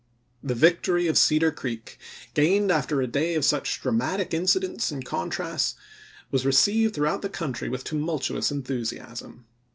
The victory of Cedar Creek, gained after a day of such dramatic incidents and contrasts, was received throughout the country with tumultuous enthusi asm.